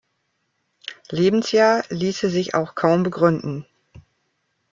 Lebensjahr ließe sich auch kaum begründen.